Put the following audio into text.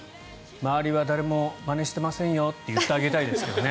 周りは誰もまねしてませんよって言ってあげたいですよね。